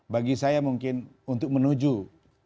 bagi saya mungkin untuk menunjukkan